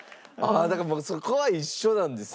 だからそこは一緒なんですね。